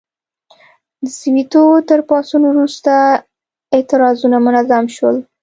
د سووېتو تر پاڅون وروسته اعتراضونه منظم شول.